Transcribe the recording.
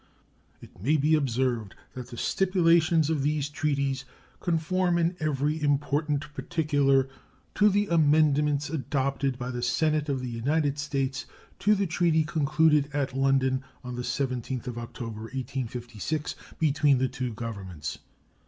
It may be observed that the stipulations of these treaties conform in every important particular to the amendments adopted by the Senate of the United States to the treaty concluded at London on the 17th October, 1856, between the two Governments.